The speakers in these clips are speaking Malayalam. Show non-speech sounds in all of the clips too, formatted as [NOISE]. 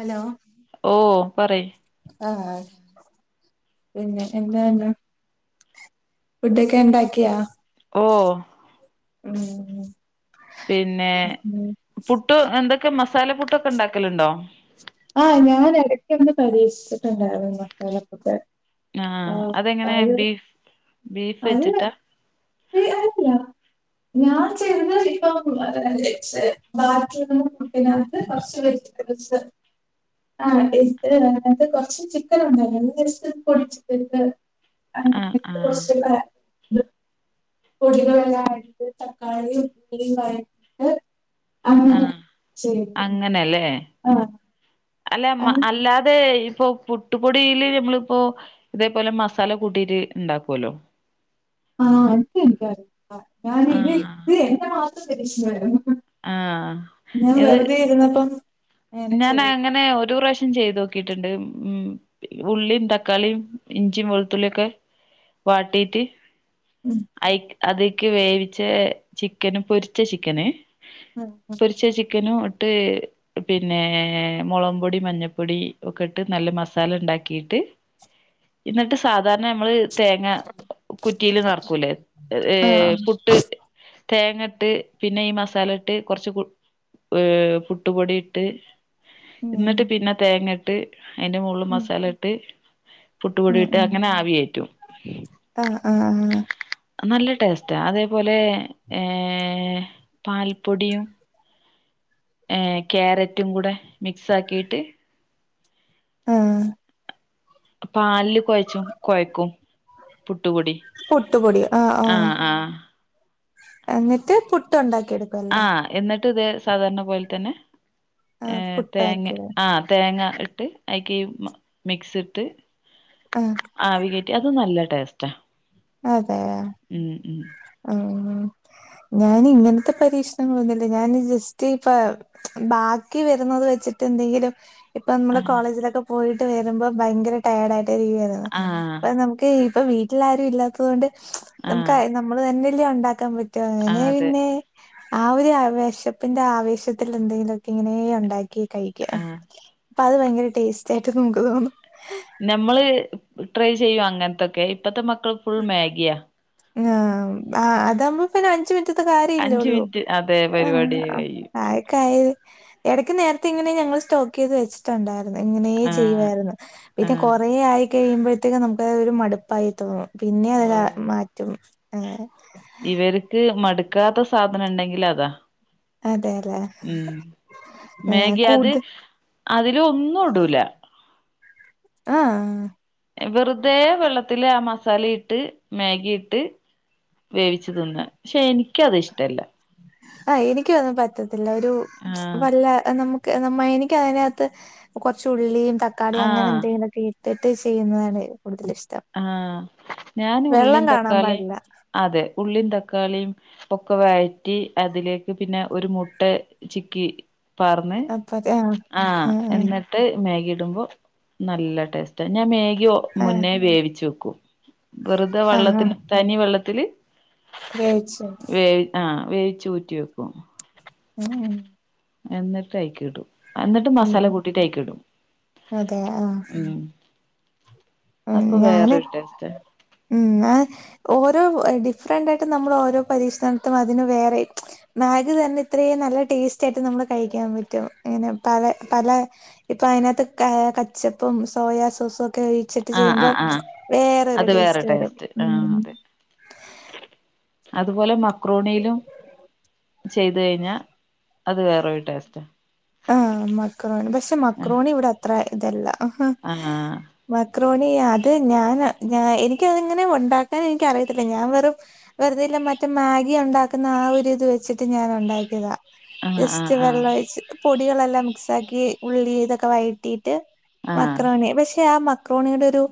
ഹലോ ഓ പറ - ആഹ് പിന്നെ എന്താന്നാ [INAUDIBLE] ഫുഡൊക്കെ ണ്ടാക്കിയാ? ഓ ഉം [INAUDIBLE] പിന്നെ ഉം പുട്ട് എന്തൊക്കെ മസാല പുട്ടൊക്കെ ഉണ്ടാക്കലുണ്ടോ? ആഹ ഞാന എടക്ക എടക് പരിക്ഷിച്ചിട്ടുണ്ടായിരുന്നു മസാല പുട്ടെ ആഹ അതെങ്ങനെ ബീഫ് ബീഫ് വെച്ചിട്ടാ? ആല്ല [UNINTELLIGIBLE] ഞാൻ ചെയ്യുന്നത് ഇപ്പൊ ബാൂും പിന്നകത്ത് കുറച്ച് [INAUDIBLE] എസ [UNINTELLIGIBLE] ആ അത്ത് കൊറച്ച് ചിക്കൻ ഉണ്ടല്ലോ പൊടിച്ചിട്ട് അ ആഹ് ആഹ് [INAUDIBLE] പൊടികളെല്ലാംട്ട് തക്കാളിയും ഉള്ളി വയറ്റിട്ട് അങ്ങനെ ആഹ് ചെയ്തു ആഹ് അല്ലെ അത് അല്ലാതെ ഇപ്പൊ പുട്ടുപൊടിയില് നമ്മളിപ്പോ ഇതേപോലെ മസാല കൂട്ടിട്ട് ഇണ്ടാക്കുവല്ലോ? ആഹ് അ എനിക്കറിലഞാന ഇത് ആഹ് ഇത് എന്റെ മാത്രം പരീക്ഷണമായിരുന്നു. ആഹ് ഞാൻ ഇത് വെറുതൊയിന്നപ്പം. ഞാൻ അങ്ങനെ ഒരു പ്രാവശ്യം ചെയ്ത് നോക്കിട്ടുണ്ട്. ഉം ഉള്ളിയും, തക്കാളിയും. ഇഞ്ചിയും, വെളുത്തുള്ളിയ ഒക്കെ വാട്ടീട്ട്. ഉം അ അതിക്ക് വേവിച്ച ചിക്കന് പൊരിച്ച ചിക്കന് ഉം ഉം പൊരിച്ച ചിക്കനും ഇട്ട് പിന്നെ മുളംപൊടി മഞ്ഞപ്പൊടി ഒക്കെ ഇട്ട് നല്ല മസാല ഉണ്ടാക്കിട്ട് പി എന്നിട്ട് സാധാരണ നമ്മള് തേങ്ങ കുറ്റിയില് നറക്കൂലേ ഏ ആഹ് പുട്ട് തേങ്ങ ട്ട് പിന്നെ ഈ മസാല ഇട്ട് കുറച്ച് ഏ പുട്ടുപൊടി ഇട്ട് ഉം എന്നിട്ട് പിന്നെ തേങ്ങ ഇട്ട് അതിന്റെ മോള്ല് ഉം മസാല ഇട്ട് പുട്ട് ഉം പൊടിട്ട് ഉം അങ്ങനെ ആവി കേറ്റും. ആഹ് ആഹ് ആഹ് നല്ല ടേസ്റ്റാ അതേപോലെ ഏ ഏേ പാൽപ്പൊടിയും. ഏർ. ക്യാരറ്റും കൂടെ മിക്സ് ആക്കിട്ട്. ആഹ് പാല് കുഴച്ചും കൊഴക്കും പുട്ടുപൊടി. ആഹ് ആഹ് എന്നിട്ട് പുട്ട് ഉണ്ടാക്കി എടുക്കുംല്ലേ? ട്ടത് സാധാരണ പോലെ തന്നെ ആഹ് തേങ്ങ പുട്ടാക്കിയത് ആഹ് തേങ്ങ ഇട്ട് അയ്ക് മിക്സ് ഇട്ട് ആഹ് ആവി കേറ്റിട അതുംനല്ലേ ടേസ്റ്റാ സ്റ്റാ അതെ ഉം ഞാന് ഇങ്ങനത്തെ പരീക്ഷണങ്ങളൊന്നുമില്ല ഞാന് ജസ്റ്റ് ഇപ്പ ബാക്കി വരുന്നത് വ ച്ചിട്ട് എന്തെങ്കിലും. ഇപ്പൊ നമ്മള് ആഹ് കോളേജിലൊക്കെ പോയിട്ട് വരുമ്പോ ഭയങ്കര ടയേഡ് ആയിട്ട് ഇരിക്കുവ ആഹ് അപ്പൊ നമുക്ക് ഇപ്പൊ വീട്ടിൽ ആാരും ഇല്ലാത്തത് കൊണ്ട് നമുക്ക് ആഹ് നമ്മള് തന്നെല്ല ഉണ്ടാക്കാൻ പറ്റും. റ്റ ആഹ് അങ്ങനെ അതെ പിന്നെ ആ ഒരു വിശപ്പിന്റെ ആവേശത്തിൽ എന്തെങ്കിലുക്കെ ഇങ്ങനെ ഉണ്ടാക്കി കഴിക്ക ആഹ് അപ്പ അത് ഭയങ്കര ടേസ്റ്റ് ആയിട്ട് നമുക്ക് തോന്നും. നമ്മള് ട്രൈ ചെയ്യും അങ്ങനത്തൊക്കെ ഇപ്പത്തെ മക്കൾ ഫുൾ മാഗിയാ ആ അതകുമ്പെ അഞ്ച് മിനി റ്റ കാര്യ അഞ്ച് ഇല്ലേള്ളൂ മിനിറ്റ് അതെ ആ പരിപാടി കഴിയും ആക്കയ് എടക്ക് നേരത്തെ ഇങ്ങനെ ഞങ്ങൾ സ്റ്റോക്ക് ചെയ്ത് വെച്ചിട്ടുണ്ടായിരുന്നു ഇങ്ങനെയെ ആഹ് ചെയ്യുവായിരുന്നു പിന്നെ ആഹ് കൊറേ ആയി കഴിയുമ്പോഴത്തേക് നമുക്ക്ത് ഒരു മടുപ്പായി തോന്നും പിന്നെ അവരാ ഓഹ് മാറ്റും ഏ ക്കാത്ത സാധനം ണ്ടെങ്കില് അതാ അതെല്ലേ ഉം ഏഹ് മേഗി അത് കൂടുത അതില് ഒന്നും ടൂല ആ വെറുതെ വെള്ളത്തില് ആ മസാല ഇട്ട് മേഗി ഇട്ട് വേവിച് തിന്ന ക്ഷെ എനിക്ക ത് ഇഷ്ടല്ല അ എനിക്കതും പറ്റത്തില്ല ഒരു ആഹ് വല്ല നമു ക്ക് നമ്മ എനിക്ക് അതിനകത്ത് കൊറ്ച് ഉുള്ളിയും തക്കാളീം അങ്ങനെ ആഹ് എന്തെങ്കിലുക്കെ ട്ട്ട്ട് ചെയ്യുന്നതാണ് കൂടുതലിഷ്ടം ആ ഞാന് വെള്ളം ഉള്ളീം കാണാൻ തക്കാളീം പാടില്ല അതെ ഉള്ളീം താ തക്കാളിയും ഒക്കെ വയറ്റി അതിലേക്ക് പിന്നെ ഒരു മുട്ട ചിക്കി പാറ്ന്ന് അപ്പ അത് ആഹ് ആ ആഹ് എന്നിട്ട് മേഗി ടുമ്പോ നല്ല ടെസ്റ്റ് ഞാൻ മേഗി ആഹ് മുന്നേ വേവിച്ചു വെക്കും വെറ്തെ ആഹ് ആഹ് വള്ളത്തിന് തനി വെള്ളത്തില് കഴിച്ചു വേ ആ വേ ച്ച് ഊറ്റി വെക്കും ഉം എന്നിട്ട് അയ്ക്കിടും എന്ന്ട്ട് ഉം മസാല ഉം കൂട്ടിട്ടയ്ക് ടും അതെ ഉ ഉ ഞാന് ഉ ഞ ഓ ഡിഫറന്റ് ആയിട്ട് നമ്മൾ ഓരോ പരീക്ഷനത്തും അതിന് വേറെ മാഗി തന്നെ ഇത്രേം നല്ല ടേസ്റ്റായിട്ട് നമ്മള് കഴിക്കാൻ പറ്റും ഹേനെ പല ഇപ്പ അതിനത്ത് കച്ചപ്പ് സോയാ സോസൊ ക്കെ ആഹ് ചെയ്യുമ്പോ ആഹ് ആഹ് വേറൊരു അത് വേറെ ടേസ്റ്റ് വരും ഉ ആഹ് അത് പോലെ മക്രോണിയിലും ചെയ്ത് കഴിഞ്ഞാ അത് വേറൊരു ടേസ്റ്റാ ആ മക്രോണി പക്ഷെ ആഹ് മക്രോണി ഇവിടെ അത്ര ഇതല്ല ആഹ് മാക്രോണി അത് ഞാന് ഞ എനിക്കതിങ്ങനെ ഉണ്ടാക്കാൻ എനിക് അറിയത്തില്ല ഞാൻ വെറും വെറ്തെല്ല മറ്റു മാഗി ഉണ്ടാക്കുന്ന ആ ഒര് ത് വെച്ചിട്ട് ഞാൻ ഉണ്ടാക്കിയതാ ആഹ് ജസ്റ്റ് ആഹ് വെള്ളമൊഴിച്ച്ട്ട് പൊടികളെല്ലാം മിക്സാക്കി ഉള്ളി ഇതൊക്കെ വഴറ്റി ആഹ് മക്രോണി പക്ഷെ ആ മക്രോണിയുടെ ഒരു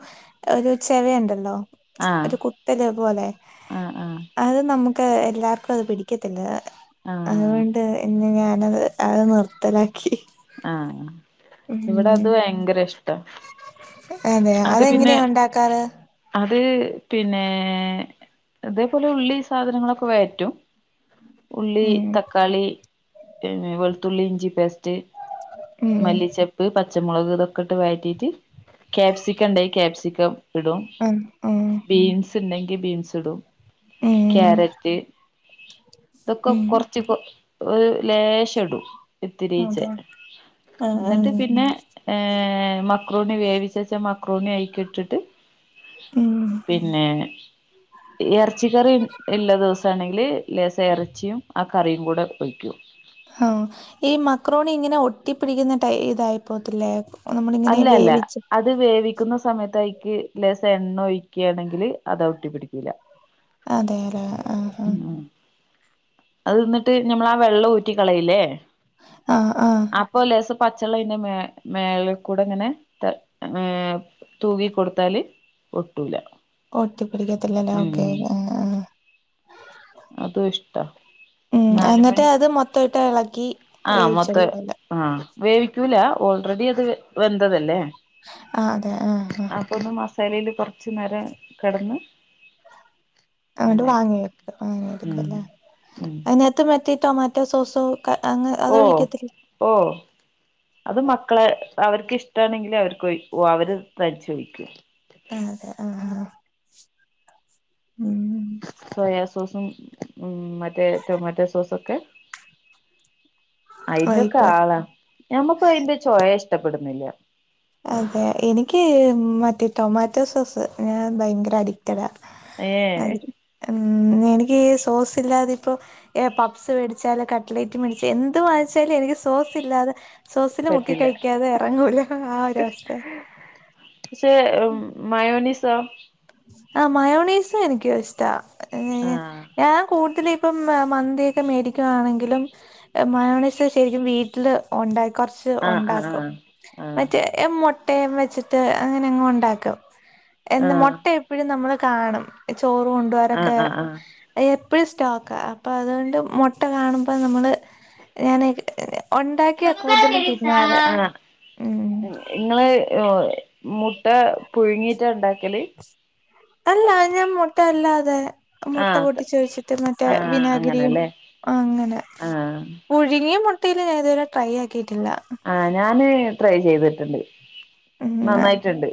ഒരു ചെവയുണ്ടല്ലോ ആഹ് ഒര് കുത്തല് പോലെ ആഹ് ആഹ് അത് നമു ക്ക്‌ എല്ലാർക്കും അത് പിടിക്കത്തില്ല ആഹ് ആഹ് അതുകൊണ്ട് ഇ ഞാനത് അത് നിർ ത്തലാക്കി ആ ഇവിടെ അത് ഭയങ്കര ഇഷ്ടാ അതെയോ അത് പിന്നെ അതെങ്ങനെയാ ഉണ്ടാക്കാറ് അത് പിന്നെ അതേപോലെ ഉള്ളീം സാധനങ്ങളൊക്കെ വയറ്റും ഉള്ളി ഉം തക്കാളി പിന്നെ വെളുത്തുള്ളി ഇഞ്ചി പേസ്റ്റ് ഉം മല്ലിചേപ്പ് പച്ചമുളക് ഇതൊക്കെ ട്ട് വയറ്റിട്ട് ക്യാപ്സിക്ക ണ്ടെങ്കി ക്യാപ്സിക്കം ഇടും ഉം ഉം ബീൻസ് ണ്ടെങ്കിൽ ബീൻസ് ടും ക്യാരറ്റ് ഇതൊക്കെ ഉം കൊറ്ച്ച് ഒരു ലേ ശടും ഇത്തിരീചേ ന്ന്ട്ട് പിന്നെ ഹേ മ ക്രോണി വേവിച്ചച്ച മക്രോണി അയിക് ട്ടിട്ട് ഉം പിന്നെ എറ്ച്ചിക്കറി ഇല്ല ദിവസാണെങ്കില് ലേസം എറച്ചിയും അ കറിയും കൂടെ ഒയ്ക്കും ആ ഈ മക്രോണി ഇങ്ങനെ ഒട്ടി പിടിക്കുന്ന ടൈ ഇതായിപ്പോകത്തില്ലേ അല്ല അല്ല അത് വേവിക്കുന്ന സമയത്തായി ക്ക് ലേസം എണ്ണ ഒഴിക്കുകയാണെങ്കില് അതാ ഒട്ടി പിടിക്കൂല അതെ അല്ലെ ആഹ് ആഹ് ഉം അത് എന്നിട്ട് ഞമ്മളാ വെള്ളം ഊറ്റിക്കളയില്ലേ ആഹ് ആഹ് അപ്പ ലേസം പച്ചവെള്ളയിന്റെ മേ മേല് കൂടെ ഇങ്ങനെ ഏ തൂവി കൊടുത്താല് ഒട്ടൂല ഒട്ടിപ്പടിക്കത്തില്ലല്ലോ ഓക്കേ. അതു ഇഷ്ട ഉം എന്നിട്ട് നാലുമണി അത് മൊത്തമായിട്ട് ഇളക്കി ആഹ് മൊത്തെ വേവിച്ചെടുക്കല്ലേ ആഹ് വേവിക്കൂല ഓൾറെഡി അത് വെന്തതല്ലേ ആഹ് അതെ ആഹ് ആഹ് പെരയില് കൊറച്ച് നേരം കെടന്ന് അങ്ങട് വാങ്ങിവെക്കും വാങ്ങിയെടുക്കല്ലേ ഉം അതിനകത്ത് മറ്റെ ടൊമാറ്റോ സോസോ ക അങ്ങ് ഓ അതൊഴിക്കത്തില്ലേ ഓ അത് മക്കളെ അവർക്ക് ഇഷ്ടാണെങ്കില് അവർക്കോയി ഓ അവര് തയ്ച്ചോദിക്കും ആഹ് അതെ ആഹ് ആഹ് ഉം സോയാ സോസും ഉം മറ്റേ ടൊമാറ്റോ സോസൊക്കെ അയിന്റെക്കെ ഒഴിക്കും ആളാ ഞമ്മക്ക് അയിന്റെ ചൊയ ഇഷ്ടപ്പെടുന്നില്ല. അതെ എനിക്ക് മറ്റേ ടൊമാറ്റോ സോസ് ഞാൻ ഭയങ്കര അഡിക്റ്റഡാ ഏ അതി മുഉം മം എനിക്ക് ഈ സോസ് ഇല്ലാതെ ഇപ്പോ എ പപ്പ്സ് മേടിച്ചാലക്കെ കട്ട്ലേറ്റ് മേടിച്ച എന്ത് വാച്ചാലും എനിക്ക് സോസില്ലാതെ സോസില് മുക്കി പറ്റില്ല കഴിക്കാതെ എറങ്ങൂല ആഹ് ഒ വസ്ഥയ മയോനിസൊ ആ മയോണീസും എനിക്ക് ഇഷ്ട ഏ ആഹ് ഞാൻ കൂട്തില് ഇപ്പം മന്തിയൊക്കെ മേടിക്കുവാണെങ്കിലും മയോണേസ് ശരിക്കും വീട്ടിൽ ഒണ്ടാ കൊറച്ച് ആഹ് ഒണ്ടാക്കും ആഹ് ആഹ് മറ്റേ എ മൊട്ട് മുട്ടെം വെച്ചിട്ട് അങ്ങനെങ്ങ് ഒണ്ടാക്കും എന്നും മൊ ആഹ് നമ്മളെ കാണും ചോറ് ആഹ് കൊണ്ടോരൊക്കെ ആഹ് ആഹ് ഏ എപ്പോഴും സ്റ്റോക്കാ അപ്പൊ അതുകൊണ്ട് മൊട്ട കാണുമ്പോ നമ്മള് ഞാൻ ആഹ് ഉം നിങ്ങള് മുട്ട പുഴുങ്ങിയിട്ട ഉണ്ടാ അല്ല ഞാൻ മുട്ട അല്ലാതെ മുട്ട ആഹ് പൊട്ടിച്ചോഴിച്ചിട്ട് മറ്റേ ആഹ് വിനാഗിരിയും അങ്ങനെല്ലേ അങ്ങനെ ആഹ് പുഴുങ്ങിയ മുട്ടേല് ഞാൻ ഇതുവരെ ട്രൈ ആക്കിയിട്ടില്ല ആഹ് ഞാന് ട്രൈ ചെയ്തിട്ടുണ്ട് ഉം നന്നായിട്ടുണ്ട്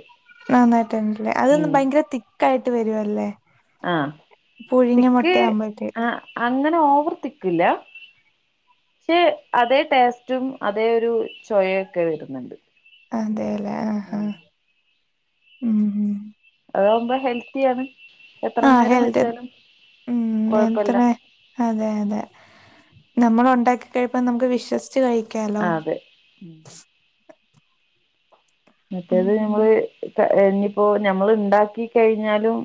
നന്നായിട്ടുണ്ടല്ലേ അതൊന്ന് ഉം ബയങ്കര തിക്കായിട്ട് വരുവല്ലേ ആഹ് പുഴുങ്ങിയ തിക്ക് മുട്ടയാകുമ്പോഴത്തേക്ക് ആഹ് അങ്ങനെ ഓവർ തിക്കില്ല ക്ഷെ അതേ ടേസ്റ്റും അതേ ഒരു ചൊവയൊക്കെ വരുന്നുണ്ട് അതെല്ലേ ആഹ് ഉം ആഹ് ഉം ഉം അതാവുമ്പോ ഹെൽത്തിയാണ് എത്ര ആഹ് നേരം ഹെൽത്ത് വെച്ചാലും ഉം കൊഴപ്പല്ല എത്രെ അതെ അതെ നമ്മളൊണ്ടാക്കി കഴിപ്പ നമുക്ക് വിശ്വസിച്ച് കഴിക്കാലോ ആഹ് അതെ ഉം മറ്റേത് ഞമ്മള് ഇപ്പോ ഇന്നിപ്പോ ഞമ്മളുണ്ടാക്കി കഴിഞ്ഞാലും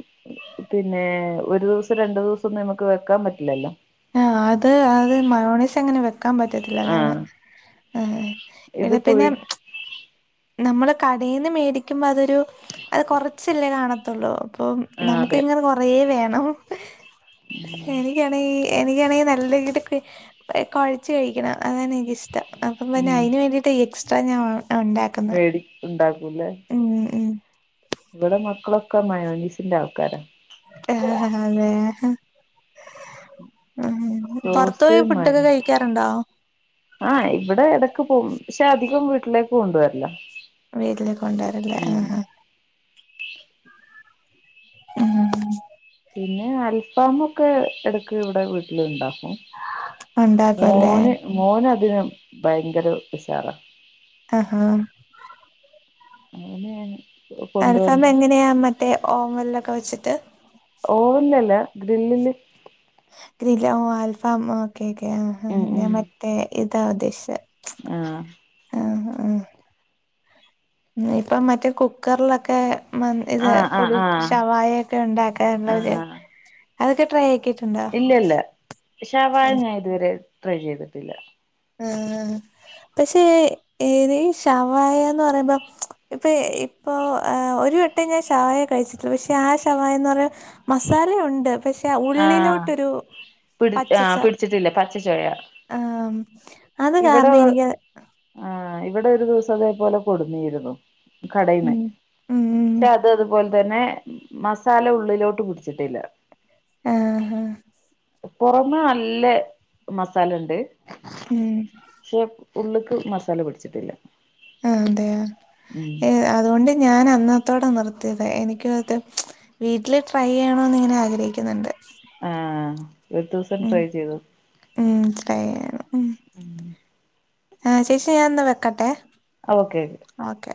പിന്നെ ഒരു ദിവസം രണ്ടു ദിവസൊന്നും നമുക്ക് വെക്കാൻ പറ്റില്ലല്ലോ ആ അത് അത് മയോണെസ് എങ്ങനെ വെക്കാൻ പറ്റത്തില്ല അതാണ് ആഹ് ആഹ് ഇത് എന്നാ പിന്നെ പുഴു നമ്മള് കടയിന്ന് മേടിക്കുമ്പോ അതൊരു അത് കൊറച്ചല്ലേ കാണത്തൊള്ളൂ അപ്പൊ ആഹ് അതെ നമുക്കിങ്ങനെ കൊറെ വേണം എനിക്കാണെങ്കി എനിക്കാണെങ്കിൽ നല്ല ഈതൊക്കി കൊഴച്ച് കഴിക്കണം അതാണ് എനിക്കിഷ്ടം അപ്പം പിന്നെ ഉം അയിന് വേണ്ടിയിട്ട് ഈ എക്സ്ട്രാ ഞാൻ ഉണ്ടാക്കുന്നെ ല ഉം ഉം ഇവിടെ മക്കളൊക്കെ മനോനീസിന്റെ ആൾക്കാരാ ആഹഹാ ങേഹെ ഉം പൊറത്തു സോസ് പോയി ഫുഡൊക്കെ മയോനീസ് കഴിക്കാറുണ്ടോ ആഹ് ഇവിടെ ഇടക്ക് പോകവും പക്ഷെ അധികം വീട്ടിലേക്ക് കൊണ്ട വരില്ല വീട്ടിലേ കൊണ്ടരല്ലേ ആഹ [INAUDIBLE] ഊം പിന്നെ അൽഫമ ഒക്കെ എടക്ക് ഇവിടെ വീട്ടിലുണ്ടോ ഉണ്ടാക്കുവല്ലേ മോന് മോന അതിനന് ഭയങ്കര വിശാറ അ ആഹ് അങ്ങനെണ് അൽഫാം എങ്ങനെയാ മറ്റേ ഓവൻലൊക്കെ വെച്ചിട്ട് ഓവൻ ലല്ലാ ഗ്രില്ലില് ഗ്രീില ആൽഫാം ഓക്കെക്കെ ആഹ മറ്റേ ഇതാവ ദദേശ ആ ആഹ് ആഹ് ഉം ഇപ്പം മറ്റേ കുക്കറിലൊക്കെ മ ഇത് ആഹ് ഫുൾ ആഹ് ആഹ് ഷവായൊക്കെ ഉണ്ടാക്കാനുള്ളര് ആഹ് അതൊക്കെ ട്രൈ ആക്കിട്ട് ഇല്ലല്ല ഷാവായ ഞാൻ ഇതുവരെ ട്രൈ ചെയ്തിട്ടില്ല ആഹ ആ പക്ഷെ ഏത് ശവായന്ന് പറയുമ്പോ ഇപ്പൊ ഇപ്പൊ ആഹ് ഒരു വട്ടെ ഞാൻ ഷവായ കഴിച്ചിട്ടുള്ളു പക്ഷെ ആ ഷവായന്ന് പറഞ്ഞാ മസാലയുണ്ട് പക്ഷെ ആഹ് ഉള്ളിലോട്ടൊരു പച്ചച്ച ചെയ്യാ ആഹ് അത് ഇവിടെ കാരണം എനിക്ക് ഏഹ് ഇവിടെ ഒരു ദിവസം അതേപോലെ കൊടുന്നിരുന്നു കടയിന്ന് ഉം ഉം ഉം പെ അത്തുപോലെ അ തന്നെ മസാല ഉള്ളിലോട്ട് പിടിച്ചിട്ടില്ല ആഹ ആഹ് പുറമേ നല്ല മസാലണ്ട് ഏഹ് ഉള്ളള്ക്ക് മസാല പിടിച്ചിട്ടില്ല ആ അതെയാ ഉം ഏ അതുകൊണ്ട് ഞാൻ അന്നത്തോടെ നിറ തെതെ എനിക്കും അതെ വീട്ടില് ട്രൈ ചെയ്യണന്ന് ങ്ങനെ ആഗ്രഹിക്കുന്നുണ്ട് ആഹ് ഒരു ദിവസം ഉം ട്രൈ ചെയ്തു ഉം ട്രൈ ചെയ്യണം ഉം ആഹ് ചേച്ചി ഞാന്ന വെക്കട്ടെ ഓക്കെ ഓക്കെ ഓക്കെ